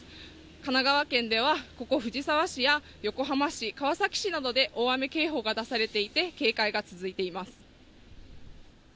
神奈川県ではここ藤沢市や横浜市川崎市などで大雨警報が出されていて警戒が続いています